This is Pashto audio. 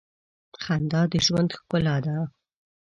خندا د ژوند ښکلا ده.